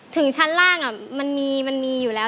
ถึงชั้นล่างมันมีอยู่แล้ว